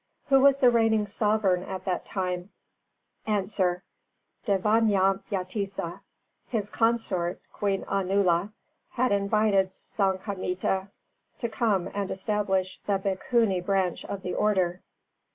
Who was the reigning sovereign at that time? A. Dēvanampiyatissa. His consort, Queen Anula, had invited Sanghamitta to come and establish the Bhikkhuni branch of the Order.